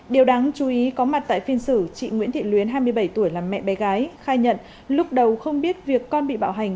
điều đáng chú ý có mặt tại phiên xử chị nguyễn thị luyến hai mươi bảy tuổi là mẹ bé gái khai nhận lúc đầu không biết việc con bị bạo hành